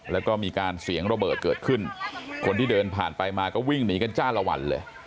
แล้วก็มีการเสียงระเบิดเกิดขึ้นคนที่เดินผ่านไปมาก็วิ่งหนีกันจ้าละวันเลย